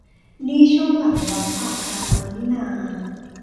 นี่ช่วงหลังล้อมปราบกลางเมืองนี่นา